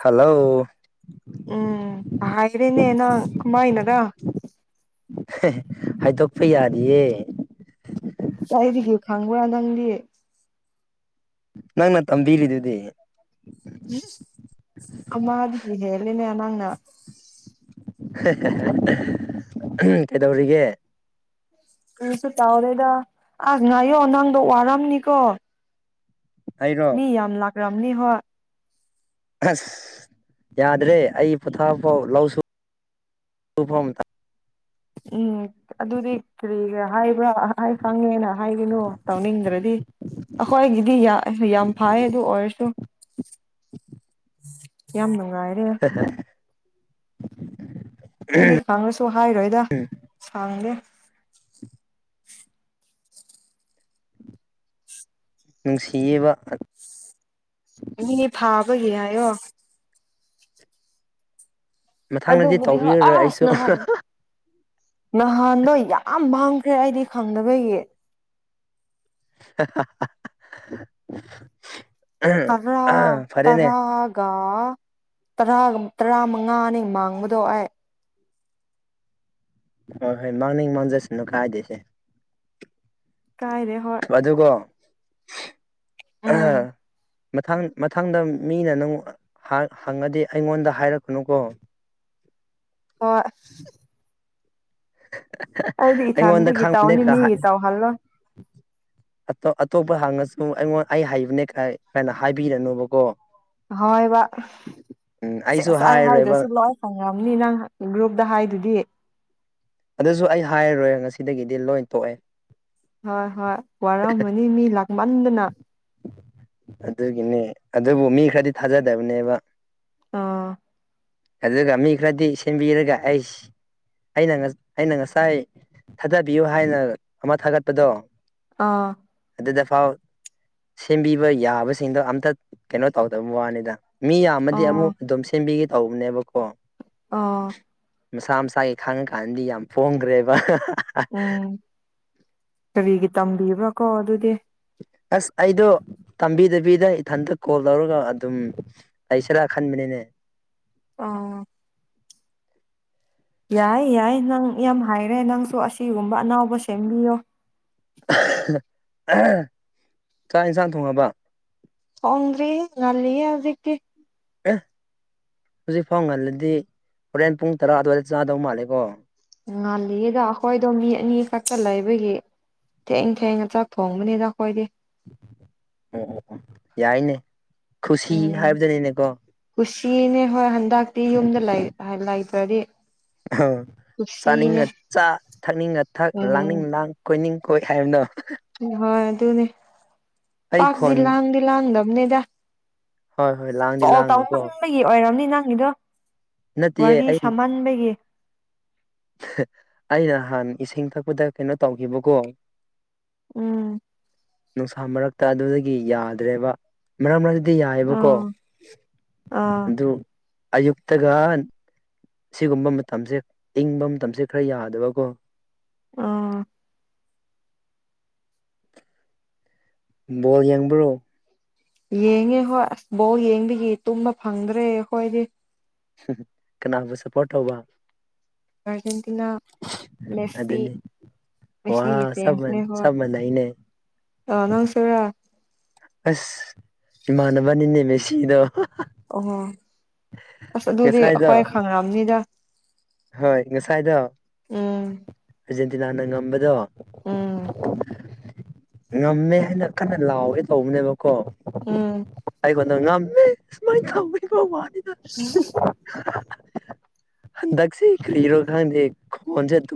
hello ꯎꯝ ꯍꯥꯏꯔꯦꯅꯦ ꯅꯪ ꯀꯃꯥꯏꯅꯗ ꯍꯥꯏꯗꯣꯛꯄ ꯌꯥꯔꯤꯌꯦ ꯇꯥꯏꯗꯤꯒ ꯈꯥꯡꯕꯗꯪꯗꯤꯌꯦ ꯅꯪꯅ ꯇꯝꯕꯤꯔꯤꯗꯨꯗꯤ ꯎꯝ ꯑ ꯑꯗꯨꯗꯤ ꯍꯦꯂꯦꯅꯦ ꯅꯪꯅ ꯀꯩꯗꯧꯒ ꯀꯩꯁꯨ ꯇꯥꯎꯔꯦꯗ ꯑꯁ ꯉꯥꯏꯌꯣ ꯅꯪꯗꯣ ꯋꯥꯔꯝꯅꯤꯀꯣ ꯃꯤ ꯑꯩꯔꯣ ꯌꯥꯝ ꯂꯥꯛꯈ꯭ꯔꯕꯅꯤ ꯍꯣꯏ ꯑꯁ ꯌꯥꯗ꯭ꯔꯦ ꯑꯩ ꯄꯣꯊꯥꯐꯥꯎ ꯂꯧꯁꯨ ꯎꯐꯝ ꯊ ꯎꯝ ꯑꯗꯨꯗꯤ ꯀꯔꯤꯒ ꯍꯥꯏ ꯄꯨ꯭ꯔꯥ ꯈꯪꯉꯦꯅ ꯍꯥꯏꯒꯅꯨ ꯇꯧꯅꯤꯡꯗ꯭ꯔꯗꯤ ꯑꯩꯈꯣꯏꯒꯤꯗꯤ ꯌꯥꯝ ꯐꯩ ꯑꯗꯨ ꯑꯣꯏꯔꯁꯨ ꯀ ꯃꯒꯥꯏꯔ [inaudible] [inaudible] ꯑꯩꯗꯤ ꯈꯪꯉꯁꯨ ꯍꯥꯏꯔꯣꯏꯗ ꯁꯥꯡꯗꯦ ꯅꯨꯡꯁꯤꯌꯦꯕ ꯃꯤꯅꯦ ꯐꯥꯕꯒꯤ ꯍꯥꯏꯌꯣ ꯃꯊꯪꯗꯗꯤ ꯑꯗꯨꯕꯨꯗꯤ ꯍꯣꯏ ꯇꯧꯕꯤꯔꯔꯣꯏ ꯑꯁ ꯑꯩꯁꯨ ꯅꯍꯥꯟ ꯅꯍꯥꯟꯗꯣ ꯌꯥꯝ ꯃꯥꯡꯈ꯭ꯔꯦ ꯑꯩꯗꯤ ꯈꯪꯗꯕꯒꯤ [inaudible] ꯇꯔꯥ ꯐꯔꯦꯅꯦ ꯇꯔꯥꯒ ꯇꯔ ꯇꯔꯥ ꯃꯉꯥꯅꯤ ꯃꯥꯡꯕꯗꯣ ꯑꯩꯥꯏ ꯍꯣꯏ ꯍꯣꯏ ꯃꯥꯡꯅꯤꯡ ꯃꯥꯡꯖꯁꯅꯨ ꯀꯥꯏꯗꯣꯏꯁꯦ ꯀꯥꯏꯔ ꯍꯣꯏ ꯑꯥ ꯎꯝ ꯃꯊꯪ ꯃꯊꯪꯗ ꯃꯤꯅ ꯅꯪ ꯍꯪꯉꯗꯤ ꯑꯩꯉꯣꯟꯗ ꯍꯥꯏꯔꯛꯀꯅꯨꯀꯣ ꯑꯣ ꯑꯩꯉꯣꯟꯗ ꯏꯊꯟꯗꯒꯤ ꯈꯪꯕꯅꯦ ꯇꯧꯅꯤ ꯀꯥ ꯃꯤꯒꯤ ꯍꯥꯏ ꯇꯧꯍꯜꯂꯣꯏ [unintelligible] ꯑꯇꯣꯞꯄ ꯍꯥꯡꯉꯁꯨ ꯑꯩꯉꯣꯟ ꯑꯩ ꯍꯩꯕꯅꯦ ꯀꯅ ꯍꯥꯏꯕꯤꯔꯅꯨꯕꯀꯣ ꯍꯣꯏꯕ ꯎꯝ ꯁ ꯑꯩꯁꯨ ꯑꯁ ꯑꯩ ꯍꯥꯏꯔꯣꯏꯕ ꯍꯥꯏꯗꯁꯨ ꯂꯣꯏ ꯐꯪꯉꯕꯅꯤ ꯅꯪ ꯒ꯭ꯔꯨꯞꯇ ꯍꯥꯏꯗꯨꯗꯤ ꯑꯗꯨꯁꯨ ꯑꯩ ꯍꯥꯏꯔꯔꯣꯏ ꯉꯁꯤꯗꯒꯤꯗꯤ ꯂꯣꯏ ꯇꯣꯛꯑꯦ ꯍꯣꯏ ꯍꯣꯏ ꯋꯥꯔꯝꯃꯅꯤ ꯃꯤ ꯂꯥꯛꯃꯟꯗꯅ ꯑꯗꯨꯒꯤꯅꯦ ꯑꯗꯨꯕꯨ ꯃꯤ ꯈꯔꯗꯤ ꯊꯥꯖꯗꯕꯅꯦꯕ ꯑꯥ ꯑꯗꯨꯒ ꯃꯤ ꯈꯔꯗꯤ ꯁꯦꯝꯕꯤꯔꯒ ꯑꯩꯁ ꯑꯩꯅ ꯑꯩꯅ ꯉꯁꯥꯏ ꯊꯥꯗꯕꯤꯌꯨ ꯍꯥꯏꯅ ꯑꯃ ꯊꯥꯒꯠꯄꯗꯣ ꯑꯥ ꯑꯗꯨꯗꯐꯥꯎ ꯁꯦꯝꯕꯤꯕ ꯌꯥꯕꯁꯤꯡꯗꯣ ꯑꯝꯇ ꯀꯩꯅꯣ ꯇꯧꯗꯕ ꯋꯥꯅꯤꯗ ꯃꯤ ꯌꯥꯝꯃꯗꯤ ꯑꯥ ꯑꯃꯨꯛ ꯑꯗꯨꯝ ꯁꯦꯝꯕꯤꯒꯦ ꯇꯧꯕꯅꯦꯕꯀꯣ ꯑ ꯃꯁꯥ ꯃꯁꯥꯒꯤ ꯈꯥꯡꯉꯀꯥꯟꯗꯤ ꯌꯥꯝ ꯄ‌ꯣꯡꯈ꯭ꯔꯦꯕ ꯎꯝ ꯀꯔꯤꯒꯤ ꯇꯝꯕꯤꯕ꯭ꯔꯥ ꯀꯣ ꯑꯗꯨꯗꯤ ꯑꯁ ꯑꯩꯗꯣ ꯇꯝꯕꯤꯗꯕꯤꯗ ꯏꯊꯟꯇ ꯀꯣꯜ ꯇꯧꯔꯒ ꯑꯗꯨꯝ ꯂꯩꯁꯤꯔꯥ ꯈꯟꯕꯅꯤꯅꯦ ꯑꯥ ꯌꯥꯏ ꯌꯥꯏ ꯅꯪ ꯌꯥꯝ ꯍꯥꯏꯔꯦ ꯅꯪꯁꯨ ꯑꯁꯤꯒꯨꯝꯕ ꯑꯅꯥꯎꯕ ꯁꯦꯝꯕꯤꯌꯣ ꯆꯥꯛ ꯌꯦꯟꯁꯥꯡ ꯊꯣꯡꯉꯕ ꯊ‌ꯣꯡꯗ꯭ꯔꯤ ꯉꯜꯂꯤꯌ‌ꯦ ꯍꯧꯖꯤꯛꯇꯤ ꯑꯦ ꯍꯧꯖꯤꯛ ꯐꯥꯎ ꯉꯜꯂꯗꯤ ꯍꯣꯔꯦꯟ ꯄꯨꯡ ꯇꯔꯥ ꯑꯗꯨꯋꯥꯏꯗ ꯆꯥꯗꯧ ꯃꯥꯜꯂꯦꯀꯣ ꯉꯥꯜꯂꯤꯌꯦꯗ ꯑꯩꯈꯣꯏꯗꯣ ꯃꯤ ꯑꯅꯤ ꯈꯛꯇ ꯂꯩꯕꯒꯤ ꯊꯦꯡ ꯊꯦꯡ ꯑ ꯆꯥꯛ ꯊꯣꯡꯕꯅꯤꯗ ꯑꯩꯈꯣꯏꯗꯤ ꯑꯣ ꯑꯣ ꯑꯣ ꯌꯥꯏꯅꯦ ꯈꯨꯁꯤ ꯍꯥꯏꯕꯗꯨꯅꯤꯅꯦꯀꯣ ꯁꯤꯅꯦ ꯍꯣꯏ ꯍꯟꯗꯛꯇꯤ ꯌꯨꯝꯗ ꯂꯩ ꯂꯩꯇ꯭ꯔꯗꯤ ꯑ ꯀꯨꯁꯤꯅꯦ ꯆꯥꯅꯤꯡꯉ ꯆꯥ ꯊꯛꯅꯤꯡꯉ ꯊꯛ ꯎꯝ ꯂꯥꯡꯅꯤꯡ ꯂꯥꯡ ꯀꯣꯏꯅꯤꯡ ꯍꯣꯏ ꯍꯥꯏꯕꯅꯣ ꯅꯤ ꯑꯩ ꯄꯥꯛꯗꯤ ꯈꯣꯟ ꯂꯥꯡꯗꯤ ꯂꯥꯡꯗꯝꯅꯤꯗ ꯍꯣꯏ ꯍꯣꯏ ꯂꯥꯡꯗꯤ ꯂꯥꯡꯅꯨꯀꯣ [unintelligible] ꯑꯣꯏꯔꯝꯅꯤ ꯅꯪꯒꯤꯗꯣ ꯅꯠꯇꯤꯌ‌ꯦ ꯋꯥꯔꯤ ꯑꯩꯟ ꯁꯥꯃꯟꯕꯒꯤ ꯑꯩꯅ ꯅꯍꯥꯟ ꯏꯁꯤꯡ ꯊꯛꯄꯗ ꯀꯩꯅꯣ ꯇꯧꯈꯤꯕꯀꯣ ꯎꯝ ꯅꯨꯡꯁꯥ ꯃꯔꯛꯇ ꯑꯗꯨꯗꯒꯤ ꯌꯥꯗ꯭ꯔꯦꯕ ꯃꯔꯝ ꯗꯤ ꯌꯥꯏꯌ‌ꯦꯕꯀꯣ ꯑꯥ ꯑꯥ ꯑꯗꯨ ꯑꯌꯨꯛꯇꯒ ꯁꯤꯒꯨꯝꯕ ꯃꯇꯝꯁꯦ ꯏꯪꯕ ꯃꯇꯝꯁꯦ ꯈꯔ ꯌꯥꯗꯕꯀꯣ ꯑꯥ ꯕꯣꯜ ꯌꯦꯡꯕ꯭ꯔꯣ ꯌꯦꯡꯉꯦ ꯍꯣꯏ ꯑꯁ ꯕꯣꯜ ꯌꯦꯡꯕꯒꯤ ꯇꯨꯝꯕ ꯐꯪꯗ꯭ꯔꯦ ꯑꯩꯈꯣꯏꯗꯤ ꯀꯅꯥꯕꯨ ꯁꯞꯄꯣꯔꯠ ꯇꯧꯕ ꯑꯔꯖꯦꯟꯇꯤꯅꯥ ꯃꯦꯄꯤ ꯑꯗꯨꯅꯤ ꯃꯁꯤ ꯁꯤ ꯋꯥ ꯆꯞ ꯐꯅꯦ ꯍ ꯆꯞ ꯃꯥꯟꯅꯩꯅꯦ ꯇꯅ ꯁꯔ ꯑꯁ ꯏꯃꯅꯅꯕꯅꯤꯟꯅꯦ ꯃꯦꯁꯤꯗꯣ ꯑꯣꯍꯣ ꯑꯁ ꯑꯗꯨꯗꯤ ꯉꯁꯥꯏꯗꯣ ꯍꯣꯏ ꯈꯪꯑꯕꯅꯤꯗ ꯍꯣꯏ ꯉꯁꯥꯏꯗꯣ ꯎꯝ ꯑꯔꯖꯦꯟꯇꯤꯅꯥꯅ ꯉꯝꯕꯗꯣ ꯎꯝ ꯉꯝꯃꯦ ꯍꯥꯏꯅ ꯀꯟꯅ ꯂꯥꯎꯋꯦ ꯇꯧꯕꯅꯦꯕ ꯀꯣ ꯎꯝ ꯑꯩꯉꯣꯟꯗ ꯉꯝꯃꯦ ꯁꯨꯃꯥꯏ ꯇ [inaudible] ꯍꯟꯗꯛꯁꯤꯦ ꯈꯔꯣ ꯈꯥꯟꯗꯦ ꯀꯣꯟꯁꯦ ꯇꯨ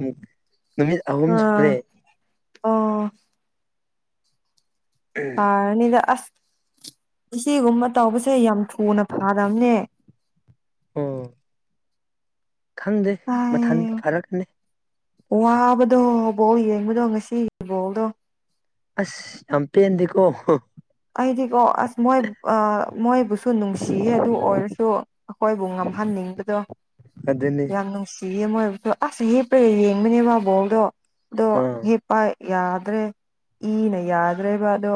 ꯅꯨꯃꯤꯠ ꯑꯍꯨꯝ ꯁꯨꯔꯦ ꯑꯥ ꯑꯣ ꯑꯅꯤꯗ ꯑ ꯏꯒꯨꯝꯕ ꯇꯧꯕꯁꯦ ꯌꯥꯝ ꯊꯨꯅ ꯐꯥꯕꯅꯦ ꯎꯝ ꯈꯪꯗꯦ ꯃꯊꯟꯇ ꯐꯔꯛꯀꯅꯤ ꯋꯥꯕꯗꯣꯕꯣꯛ ꯌꯦꯡꯕꯗꯣ ꯉꯁꯤ ꯏꯕꯣꯛꯗꯣ ꯑꯁ ꯑꯝꯄꯤꯤ ꯑꯦꯗꯤꯀꯣ ꯑꯗꯤꯤ ꯀ ꯑꯁ ꯃꯣꯏ ꯑ ꯃꯣꯏ ꯁꯨ ꯅꯨꯡꯁꯤꯌꯦ ꯑꯗꯨ ꯑꯣꯏꯔꯁꯨ ꯑꯩꯈꯣꯏꯕꯨ ꯉꯝꯍꯟꯅꯤꯡꯕꯗꯣ ꯑꯗꯨꯅꯤ ꯌꯥꯝ ꯅꯨꯡꯁꯤꯌꯦ ꯦꯝ ꯑꯣꯏꯕꯗꯣ ꯑꯁ ꯍꯤꯞꯄꯦ ꯌꯦꯡꯕꯅꯦ ꯃꯥ ꯕꯧꯗꯣ ꯑꯗꯣ ꯑꯥ ꯍꯦꯛꯞꯄ ꯌꯥꯗ꯭ꯔꯦ ꯏꯅ ꯌꯥꯗ꯭ꯔꯦꯕꯗꯣ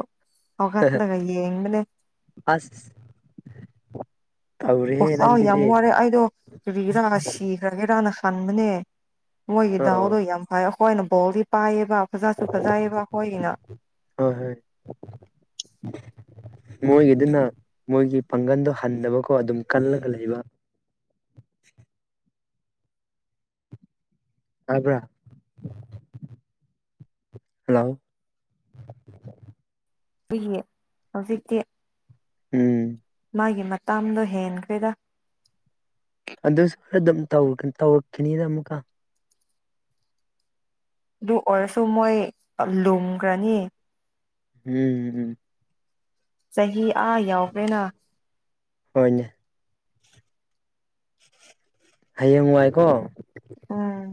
ꯑꯣꯒꯥꯠꯂ ꯀꯩꯦ ꯏꯂ ꯑꯁ ꯇꯧꯔꯦꯍꯦ ꯑꯣꯥꯎ ꯌꯥꯝ ꯅꯪꯁꯤꯗꯤ ꯋꯥꯔꯦ ꯑꯩꯗꯣ ꯀ ꯏ ꯔꯥ ꯁꯤꯈ꯭ꯔꯒꯦꯔꯥꯅ ꯁꯟꯕꯅꯦ ꯃꯣꯏꯒꯤ ꯗꯥꯎꯗꯣ ꯑꯣ ꯌꯥꯝ ꯐꯩ ꯑꯩꯈꯣꯏꯅ ꯕꯣꯜꯗꯤ ꯄꯥꯏꯌꯦꯕ ꯐꯖꯥꯁꯨ ꯐꯖꯩꯌꯦꯕ ꯑꯩꯣꯏꯒꯤꯅ ꯍꯣꯏ ꯍꯣꯏ ꯃꯣꯏꯒꯤꯗꯨꯅ ꯃꯣꯏꯒꯤ ꯄꯥꯡꯒꯜꯗꯣ ꯍꯟꯗꯕꯀꯣ ꯑꯗꯨꯝ ꯀꯜꯂꯒ ꯂꯩꯕ ꯑ ꯍꯥꯏꯕ꯭ꯔꯥ ꯍꯜꯂꯣ ꯑꯩ ꯍꯧꯖꯤꯛꯇꯤ ꯎꯝ ꯃꯥꯒꯤ ꯃꯇꯥꯡꯗꯣ ꯍꯦꯟꯈ꯭ꯔꯦꯗ ꯑꯗꯨꯁꯨ ꯈꯔ ꯑꯗꯨꯝ ꯇꯧꯔꯛꯈꯤꯅꯤꯅ ꯑꯃꯨꯛꯀ ꯑꯗꯨ ꯑꯣꯏꯔꯁꯨ ꯃꯣꯏ ꯂꯨꯝꯈ꯭ꯔꯅꯤ ꯍꯝ ꯆꯍꯤ ꯑꯥ ꯌꯥꯎꯕ꯭ꯔꯦꯅ ꯍꯣꯏꯅꯦ ꯍꯌꯦꯡꯉꯅꯨꯡꯥꯏꯀꯣ ꯎꯝ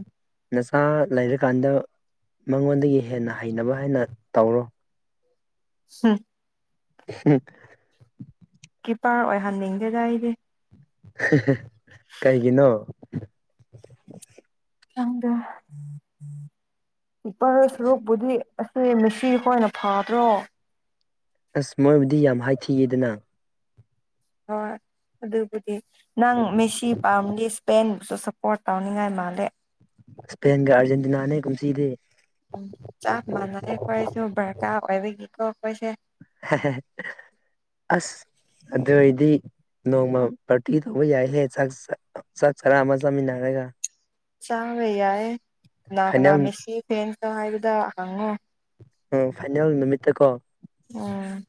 ꯅꯆꯥ ꯂꯩꯔꯀꯥꯟꯗ ꯃꯉꯣꯟꯗꯒꯤ ꯍꯦꯟꯅ ꯍꯩꯅꯕ ꯍꯥꯏꯅ ꯇꯧꯔꯣ ꯍ [inaudible] ꯀꯤꯞꯄꯔ ꯑꯣꯏꯍꯟꯅꯤꯡꯗꯦꯗ ꯑꯩꯗꯤ ꯀꯥꯏꯒꯤ ꯅꯣ ꯀꯪꯗ ꯏꯄꯥꯔꯣꯏ ꯁꯔꯨꯛꯄꯨꯗꯤ ꯑꯁ ꯃꯦꯁꯤꯈꯣꯏꯅ ꯐꯗ꯭ꯔꯣ ꯑꯁ ꯃꯣꯏꯕꯨꯗꯤ ꯌꯥꯝ ꯍꯥꯏꯊꯤꯒꯗꯅ ꯍꯣꯏ ꯑꯗꯨꯕꯨꯗꯤ ꯅꯪ ꯃꯦꯁꯤ ꯄꯥꯝꯒꯤꯦ ꯏꯁꯄꯦꯟ ꯑꯗꯨꯁꯨ ꯁꯞꯄꯣꯔꯠ ꯇꯧꯅꯤꯡꯉꯥꯏ ꯃꯥꯜꯂꯦ ꯁꯄꯦꯟꯒ ꯑꯔꯖꯦꯟꯇꯤꯅꯥꯅꯦ ꯀꯟꯁꯤꯗꯦ ꯆꯞ ꯃꯅꯥꯏ ꯀꯁꯨ ꯭ꯔꯀꯥ ꯑꯕꯤꯒꯀ ꯀꯣꯏꯁ ꯑꯁ ꯑꯗꯨ ꯑꯣꯏꯗꯤ ꯅꯣꯡꯃ ꯄꯔꯇꯤ ꯇꯧꯕ ꯌꯥꯏꯍꯦꯥꯛ ꯆꯥꯛ ꯆꯔꯥ ꯑꯃ ꯆꯥꯃꯤꯟꯅꯔꯒ ꯆꯥꯋꯦ ꯌꯥꯏ ꯅꯅꯥꯅꯥ ꯐꯥꯏꯅꯦꯜ ꯃꯦꯁꯤ ꯐꯦꯟ ꯇ ꯍꯥꯏꯕꯗ ꯍꯪꯉꯣ ꯎ ꯐꯥꯏꯅꯜ ꯅꯨꯃꯤꯠꯇ ꯀꯣ ꯎꯝ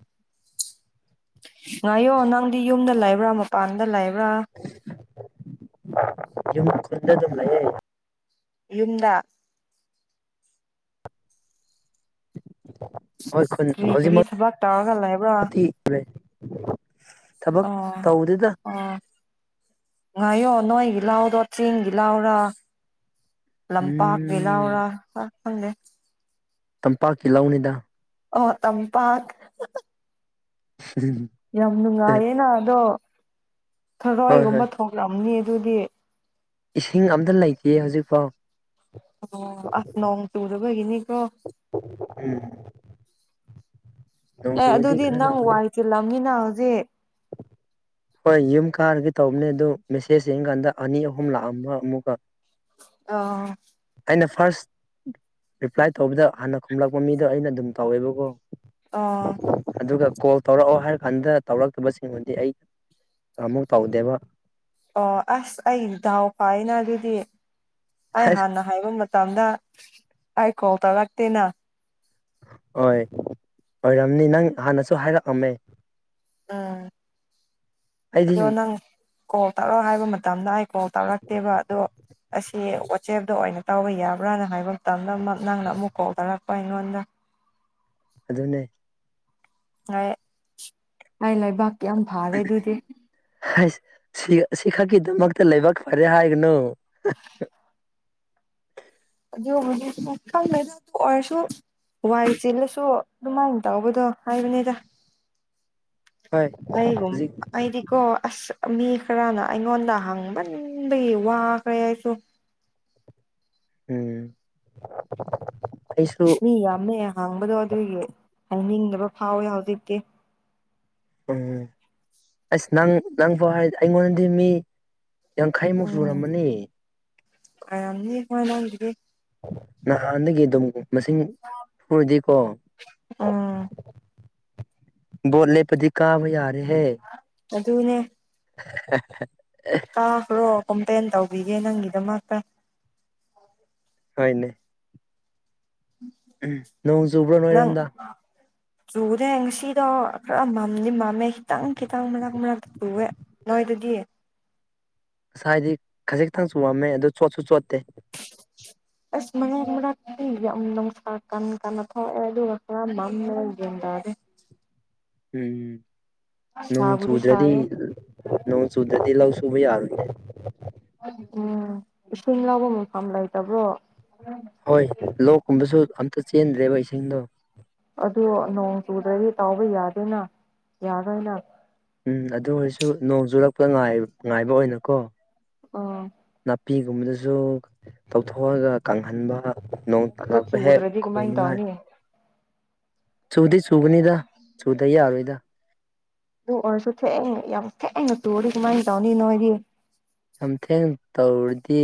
ꯉꯥꯏꯌꯣ ꯅꯪꯗꯤ ꯌꯨꯝꯗ ꯂꯩꯕ꯭ꯔꯥ ꯃꯄꯥꯟꯗ ꯂꯩꯕ꯭ꯔꯥ ꯌꯨꯝ ꯈꯨꯟꯗꯦ ꯑꯗꯨꯨꯝ ꯂꯩꯌꯦ ꯌꯨꯝꯗ ꯀꯔꯤ ꯀꯔꯤ ꯊꯕꯛ ꯇꯧꯔꯒ ꯂꯩꯕ꯭ꯔꯥ ꯍꯧꯖꯤꯛꯃꯛꯦ ꯑꯣ ꯑꯣ ꯉꯥꯏꯣ ꯅꯣꯏ ꯜ ꯂꯥꯎꯗꯣ ꯆꯤꯡꯒꯤ ꯂꯥꯎꯔ ꯂꯝꯄꯥꯛꯀꯤ ꯎꯝ ꯂꯥꯎꯔ ꯎꯦ ꯇꯝꯄꯥꯛꯀꯤ ꯂꯧꯅꯤꯗ ꯑꯣ ꯇꯝꯄꯥꯛ ꯌꯥꯝꯝꯒ ꯌꯦꯅꯥ ꯑꯗꯣ ꯍꯣꯏ ꯊꯔꯣꯏꯒꯨꯝꯕ ꯍꯣꯏ ꯊꯣꯛꯂꯑꯝꯅꯤ ꯑꯗꯨꯗꯤ ꯏꯁꯤꯡ ꯑꯝꯇ ꯂꯩꯇꯦ ꯍꯧꯖꯤꯛꯐꯥꯎ ꯑꯣ ꯑꯐ ꯅꯣꯡꯣꯡ ꯆꯗꯕꯒꯤꯅꯤ ꯀ꯭ꯔꯣ ꯎꯝ ꯅꯣꯡ ꯑꯦ ꯆꯨꯔꯗꯤ ꯑꯗꯨꯗꯤ ꯈꯔ ꯅꯪ ꯂꯥꯛꯀꯅꯤ ꯋꯥꯏ ꯇꯤꯜꯂꯝꯅꯤꯅ ꯍꯧꯖꯤꯛ ꯍꯣꯏ ꯌꯨꯝ ꯀꯥꯔꯒ ꯇꯧꯕꯅꯦ ꯑꯗꯨ ꯃꯦꯁꯦꯖ ꯌꯦꯡꯀꯥꯟꯗ ꯑꯅꯤ ꯑꯍꯨꯝ ꯂꯥꯛꯑꯝꯕ ꯑꯃꯨꯛꯀ ꯑ ꯑꯩꯅ ꯐꯥꯔꯁ ꯔꯤꯄ꯭ꯂꯥꯏ ꯇꯧꯕꯗ ꯍꯥꯟꯅ ꯈꯨꯝꯂꯛꯄ ꯃꯤꯗꯣ ꯑꯩꯅ ꯑꯗꯨꯝ ꯇꯧꯋꯦꯕꯀꯣ ꯑ ꯑꯗꯨꯒ ꯀꯣꯜ ꯇꯧꯔꯛꯑꯣ ꯍꯥꯏꯔ ꯀꯥꯟꯗ ꯇꯧꯔꯛꯇꯕꯁꯤꯡꯕꯨꯗꯤ ꯑꯩ ꯀꯃꯨꯛ ꯇꯧꯗꯦꯕ ꯑꯣ ꯑꯁ ꯑꯩ ꯗꯥꯥꯎ ꯐꯥꯏꯅ ꯑꯗꯨꯗꯤ ꯑꯩ ꯑꯁ ꯍꯥꯟꯅ ꯍꯥꯏꯕ ꯃꯇꯝ ꯃꯇꯝꯗ ꯑꯩ ꯀꯣ ꯇꯧꯔꯛꯇꯦꯅ ꯍꯣꯏ ꯑꯣꯏꯔꯝꯅꯤ ꯅꯪ ꯍꯥꯟꯅꯁꯨ ꯍꯥꯏꯔꯛꯑꯝꯃꯦ ꯎꯝ ꯑꯩꯗꯤ ꯑꯗꯣ ꯅꯪ ꯀꯣꯜ ꯇꯥꯔꯣ ꯍꯥꯏꯕ ꯃꯇꯝꯗ ꯀꯣꯜ ꯇꯧꯔꯛꯇꯦꯕ ꯑꯗꯣ ꯑꯁꯤ ꯋꯥꯆꯦꯞꯇ ꯑꯣꯏꯅ ꯇꯧꯕ ꯌꯥꯕ꯭ꯔꯥꯅ ꯍꯥꯏꯕ ꯃꯇꯝꯗ ꯅꯪꯅ ꯑꯃꯨꯛ ꯀꯧꯊꯔꯛꯄ ꯑꯩꯉꯣꯟꯗ ꯑꯗꯨꯅꯦ ꯑꯩ ꯂꯩꯕꯥꯛꯀꯤ ꯌꯥꯝ ꯐꯥꯔꯦ ꯑꯗꯨꯗꯤ ꯍꯁ ꯁꯤ ꯁꯤꯈꯥꯀꯤꯗꯃꯛꯇ ꯂꯩꯕꯥꯛ ꯐꯔꯦ ꯍꯥꯏꯒꯅꯨ ꯑꯗꯨ ꯍꯧꯔꯁꯨ ꯋꯥꯏ ꯆꯤꯜꯂꯁꯨ ꯑꯗꯨꯃꯥꯏꯅ ꯇꯧꯕꯗꯣ ꯍꯥꯏꯕꯅꯦꯗ ꯍꯣꯏ ꯑꯨꯝ ꯍꯧꯖꯤꯛ ꯑꯩꯗꯤꯀꯣ ꯑꯁ ꯃꯤ ꯈꯔꯅ ꯑꯩꯉꯣꯟꯗ ꯍꯪꯕꯟꯕꯒꯤ ꯋꯥꯈ꯭ꯔꯦ ꯑꯩꯁꯨ ꯎꯝ ꯑꯩꯁꯨ ꯃꯤ ꯌꯥꯝꯃꯦ ꯍꯥꯡꯕꯗꯣ ꯑꯗꯨꯒꯤ ꯍꯥꯏꯅꯤꯡꯗꯕ ꯐꯥꯎꯋꯦ ꯍꯧꯖꯤꯛꯇꯤ ꯎꯝ ꯑꯁ ꯅꯪ ꯅꯪ ꯐ ꯍꯥꯏ ꯑꯩꯉꯣꯟꯗꯗꯤ ꯃꯤ ꯌꯥꯡꯈꯩꯃꯨꯛ ꯁꯨꯔꯝꯃꯅꯤ ꯀꯌꯥꯝꯅꯤ ꯍꯅꯗꯤ ꯅꯍꯥꯟꯗꯒꯤ ꯑꯗꯨꯝ ꯃꯁꯤꯡ ꯐꯔꯗꯤꯀꯣ ꯎꯝ ꯕꯣꯜ ꯂꯦꯞꯄꯥꯗꯤ ꯀꯥꯕ ꯌꯥꯔꯦꯍꯦ ꯑꯗꯨꯅꯦ [unintelligible] ꯀꯥꯈ꯭ꯔꯣ ꯀꯝꯄ꯭ꯂꯦꯟ ꯇꯧꯕꯤꯒꯦ ꯅꯪꯒꯤꯗꯃꯛꯇ ꯍꯅꯦ ꯅꯣꯡ ꯆꯨꯕ꯭ꯔꯣ ꯅꯣꯏꯔꯣꯝꯗ ꯆꯨꯔꯦ ꯉꯁꯤꯗꯣ ꯈꯔ ꯃꯝꯗꯤ ꯃꯝꯃꯦ ꯈꯤꯇꯪ ꯈꯤꯇꯪ ꯃꯔꯛ ꯃꯔꯛꯇ ꯆꯨꯑꯦ ꯅꯣꯏꯗꯗꯤ ꯒꯤ ꯉꯁꯥꯏ ꯍꯥꯏꯗꯤ ꯈꯖꯤ ꯛꯇꯪꯁꯨ ꯋꯥꯝꯃꯦ ꯑꯗꯣ ꯆꯣꯠꯁꯨ ꯆꯣꯠꯇꯦ [unintelligible] ꯑꯁ ꯃꯅꯦ ꯀꯟ ꯀ ꯎ ꯎꯝ ꯅꯪ ꯁꯥꯕꯨꯗꯤ ꯆꯨꯗꯗꯤ ꯁꯥꯏꯌꯦ ꯅ ꯆꯨꯗ꯭ꯔꯗꯤ ꯂꯁꯨ ꯊꯕꯤ ꯌꯥꯔꯦ ꯎꯝ ꯏꯁꯤꯡ ꯂꯧꯕ ꯃꯐꯝ ꯂꯩꯇꯕ꯭ꯔꯣ ꯍꯣꯏ ꯂꯣꯛꯀꯨꯝꯕꯁꯨ ꯑꯝꯇ ꯆꯦꯟꯗ꯭ꯔꯦꯕ ꯏꯁꯤꯡꯗꯣ ꯑꯗꯨ ꯅꯣꯡ ꯆꯨꯗ꯭ꯔꯗꯤ ꯇꯥꯎꯕ ꯌꯥꯗꯦꯅ ꯌꯥꯔꯣꯏꯅ ꯎꯝ ꯑꯗꯨ ꯑꯣꯏꯔꯁꯨ ꯅꯣꯡ ꯆꯨꯨꯔꯛꯄꯗ ꯉꯥꯏꯕ ꯑꯣꯏꯅꯀꯣ ꯎꯝ ꯅꯨꯄꯤꯒꯨꯝꯕꯗꯁꯨ ꯇꯧꯊꯣꯛꯑꯒ ꯀꯪꯍꯟꯕ ꯅꯣꯡꯇ ꯑꯗꯣ ꯂꯥꯛꯄ ꯍꯦꯛ ꯆꯨꯗ꯭ꯔꯗꯤ ꯀꯃꯥꯏꯅ ꯀꯣꯏꯅꯤꯡꯉꯥꯏ ꯇꯧꯅꯤ ꯁꯨꯗꯤꯤ ꯁꯨꯒꯅꯤꯗ ꯁꯨꯗ ꯌꯥꯔ ꯑꯣꯏꯣꯏꯗ ꯑꯗꯨ ꯑꯣꯏꯔꯁꯨ ꯊꯦꯡꯉ ꯌꯥꯝ ꯊꯦꯡꯅ ꯇꯨꯔꯗꯤ ꯀꯃꯥꯏꯅ ꯇꯧꯅꯤ ꯅꯣꯏꯗꯤ ꯌꯥꯝꯊꯦꯡ ꯇꯧꯔꯗꯤ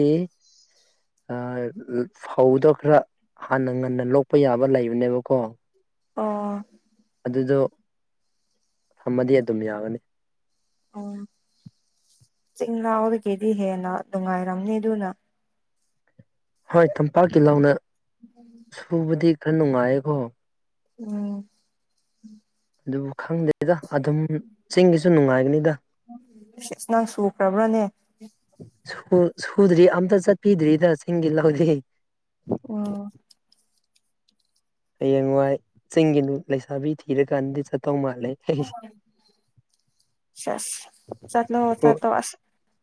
ꯐꯧꯗ ꯈꯔ ꯍꯥꯟꯅ ꯉꯟꯅ ꯂꯣꯛꯄ ꯌꯥꯕ ꯂꯩꯕꯅꯦꯕꯀꯣ ꯑꯣ ꯑꯗꯨꯗꯣ ꯊꯝꯃꯗꯤ ꯑꯗꯨꯝ ꯌꯥꯒꯅꯤ ꯎ ꯆꯤꯡ ꯂꯥꯎꯗꯒꯤꯗꯤ ꯍꯦꯟꯅ ꯅꯨꯡꯉꯥꯏꯔꯝꯅꯤ ꯑꯗꯨꯅ ꯍꯣꯏ ꯇꯝꯄꯥꯛꯀꯤ ꯂꯥꯎꯅ ꯁꯨꯕꯗꯤ ꯈꯔ ꯅꯨꯡꯉꯥꯏꯌꯦꯀꯣ ꯎꯝ ꯑꯗꯨꯕꯨ ꯈꯪꯗꯦꯗ ꯑꯗꯨꯝ ꯆꯤꯡꯒꯤꯁꯨ ꯅꯨꯡꯉꯥꯏꯒꯅꯤꯗ ꯁ ꯅꯪ ꯁꯨꯈ꯭ꯔꯕ꯭ꯔꯥꯅꯦ ꯁꯨꯗ꯭ꯔꯤ ꯑꯝꯇ ꯆꯠꯄꯤꯗ꯭ꯔꯤꯗ ꯆꯤꯡ ꯂꯧꯗ ꯎꯝ ꯍꯌꯦꯡꯋꯥꯏ ꯆꯤꯡꯒꯤꯗꯨꯅꯨꯡ ꯂꯩꯁꯥꯕꯤ ꯊꯤꯔꯀꯥꯟꯗꯗꯤ ꯆꯠꯇꯧ ꯃꯥꯜꯜꯂꯤꯦ [inaudible] ꯆꯁ ꯆꯠ ꯂꯣ ꯆꯣ ꯑꯁ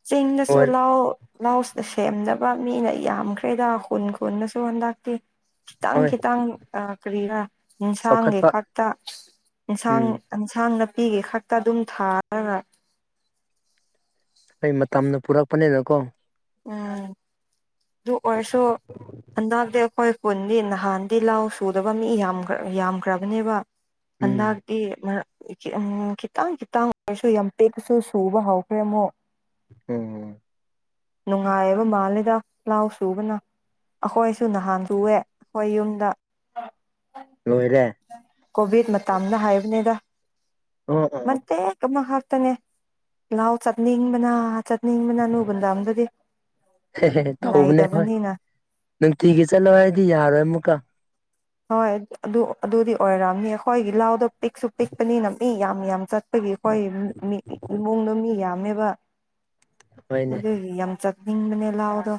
ꯆꯤꯡꯗꯁꯨ ꯍꯣꯏ ꯂ ꯂꯥꯎꯁꯤꯗ ꯁꯦꯝꯗꯕ ꯃꯤꯅ ꯌꯥꯝꯈ꯭ꯔꯦꯗ ꯈꯨꯟ ꯈꯨꯟꯅꯁꯨ ꯍꯟꯗꯛꯇꯤ ꯈꯤꯇꯪ ꯍꯣꯏ ꯈꯤꯇꯪ ꯀꯔꯤꯔ ꯏꯟꯁꯥꯡꯒꯤ ꯆꯥꯎꯈꯠꯄ ꯈꯛꯇ ꯏꯟꯁꯥꯡ ꯎꯝ ꯏꯟꯁꯥꯡ ꯅꯥꯄꯤꯒꯤ ꯈꯛꯇ ꯑꯗꯨꯝ ꯊꯥꯔꯒ ꯑꯩ ꯃꯇꯝꯅ ꯄꯨꯔꯛꯄꯅꯤꯅꯀꯣ ꯎꯝ ꯑꯗꯨ ꯑꯣꯁꯣ ꯑꯗꯗꯈꯣꯏ ꯀꯨꯟꯗꯤ ꯅꯍꯥꯟꯗꯤ ꯂꯥꯎ ꯁꯨꯗꯕ ꯃꯤ ꯌꯥꯝ ꯌꯥꯝꯈ꯭ꯔꯕꯅꯦꯕ ꯎꯝ ꯍꯗꯤ ꯃ ꯎꯝ ꯈꯤꯇꯪ ꯈꯤꯇꯪ ꯑꯣꯏꯔꯁꯨ ꯌꯥꯝ ꯄꯦꯛꯄꯁꯨ ꯁꯨꯕ ꯍꯧꯈ꯭ꯔꯦ ꯑꯃꯨꯛ ꯎꯝ ꯅꯨꯡꯉꯥꯏꯕ ꯃꯥꯜꯂꯦꯗ ꯂꯥꯎ ꯁꯨꯕꯅ ꯑꯩꯈꯣꯏꯁꯨ ꯅꯍꯥꯟ ꯁꯑꯦ ꯑꯩꯈꯣꯏ ꯌꯨꯝꯗ ꯍ ꯀꯣꯕꯤꯠ ꯃꯇꯥꯝꯅ ꯍꯥꯏꯕꯅꯦꯗ ꯑꯣ ꯃꯦ ꯑꯣ ꯀꯃ ꯍꯥꯥꯛꯇꯅꯦꯦ ꯂꯥꯎ ꯆꯠꯅꯤ ꯃꯅꯥ ꯆꯠ ꯅꯤꯡꯕꯅꯥꯅꯨꯕꯟꯗꯥꯝꯗꯗꯤ ꯍ ꯇꯧꯕꯅꯦ ꯍꯣꯏ ꯅꯨꯡꯇꯤꯒꯤ ꯆꯠꯂꯣ ꯍꯥꯏꯗꯤ ꯌꯥꯔꯣꯏ ꯑꯃꯨꯛꯀ ꯍꯣꯏ ꯑꯗꯨ ꯑꯗꯨꯗꯤ ꯑꯣꯏꯔꯛꯑꯝꯅꯤ ꯑꯩꯈꯣꯏꯒꯤ ꯂꯍꯥꯎꯗꯣ ꯄꯤꯛꯁꯨ ꯄꯤꯛꯄꯅꯤꯅꯝ ꯃꯤ ꯌꯥꯝ ꯌꯥꯝ ꯆꯠ ꯑꯒꯤ ꯑꯩꯈꯣꯏ ꯃꯤ ꯏꯃꯨꯡꯗ ꯃꯤ ꯌꯥꯝꯃꯦꯕ ꯍꯣꯏꯅꯦ ꯑꯗꯨꯗꯒꯤ ꯌꯥꯝ ꯆꯠ ꯍꯅꯤꯡ ꯃꯅꯦꯂ ꯌꯥꯎꯗꯣ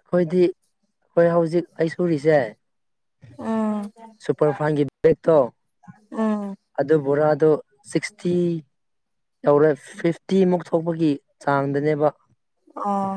ꯑꯩꯈꯣꯏꯗꯤ ꯑꯩꯈꯣꯏ ꯍꯧꯖꯤꯛ ꯑꯩ ꯁꯨꯔꯤꯁꯦ ꯎꯝ ꯁꯨꯄꯔ ꯐꯥꯏꯟꯒꯤ ꯕꯦꯛꯇꯣ ꯎꯝ ꯑꯗꯨ ꯕꯣꯔꯥ ꯣ ꯁꯤꯛꯁꯇꯤ ꯌꯧꯔꯦ ꯐꯤꯐꯇꯤꯃꯨꯛ ꯊꯣꯛꯄꯒꯤ ꯆꯥꯡꯗꯅꯦꯕ ꯑ